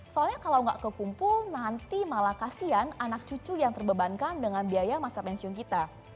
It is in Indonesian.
soalnya kalau nggak kekumpul nanti malah kasian anak cucu yang terbebankan dengan biaya masa pensiun kita